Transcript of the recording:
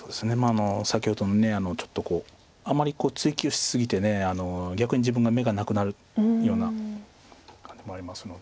先ほどのちょっとあまり追及し過ぎて逆に自分が眼がなくなるような感じもありますので。